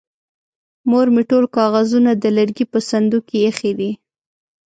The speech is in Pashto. مور مې ټول کاغذونه د لرګي په صندوق کې ايښې دي.